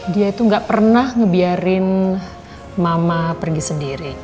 dia itu gak pernah ngebiarin mama pergi sendiri